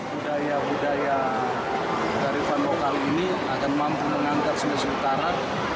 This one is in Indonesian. budaya budaya kearifan lokal ini akan mampu mengantar sulawesi utara